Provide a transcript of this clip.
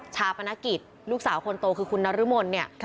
ชาปนกิจลูกสาวคนโตคือคุณนรมนเนี่ย